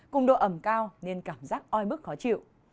cùng độ ẩm cao nên cảm giác oi bức khó chịu